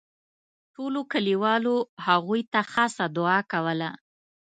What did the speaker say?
ټولو کلیوالو هغوی ته خاصه دوعا کوله.